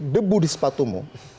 debu di sepatumu